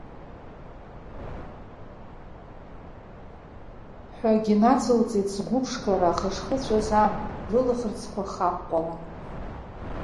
Ҳәагьы нацылҵеит, згәыԥшқара хышхыҵәаз ан, лылаӷырӡқәа хаҟәҟәала.